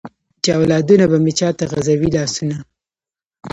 چې اولادونه به مې چاته غزوي لاسونه ؟